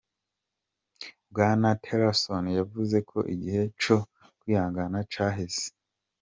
Bwana Tillerson yavuze ko igihe co kwihangana caheze.